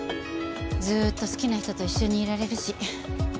ずーっと好きな人と一緒にいられるし。